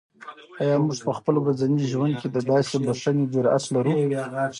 آیا موږ په خپل ورځني ژوند کې د داسې بښنې جرات لرو؟